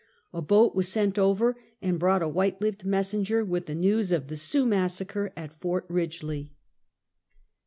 A boat was sent over and brought a white lipped messenger, with the news of the Sioux massacre at Ft. Ridgley.